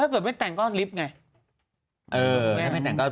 ถ้าเกิดไม่แต่งเพราะก็ลรีฟไง